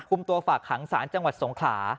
ตัวฝากขังศาลจังหวัดสงขลา